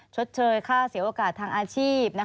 ชดเชยค่าเสียโอกาสทางอาชีพ